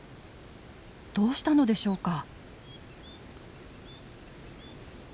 どうしたのでしょうか？